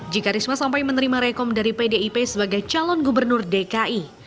jika risma sampai menerima rekom dari pdip sebagai calon gubernur dki